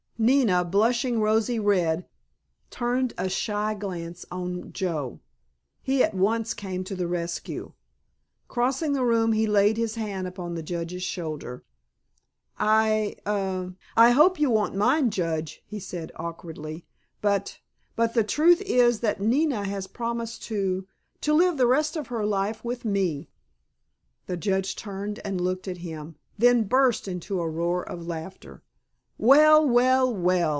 Nina, blushing rosy red, turned a shy glance on Joe. He at once came to the rescue. Crossing the room he laid his hand upon the Judge's shoulder. "I—a—I hope you won't mind, judge," he said awkwardly, "but—but the truth is that Nina has just promised to—to live the rest of her life with me." The Judge turned and looked at him, then burst into a roar of laughter. "Well, well, well!"